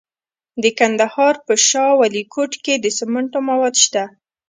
د کندهار په شاه ولیکوټ کې د سمنټو مواد شته.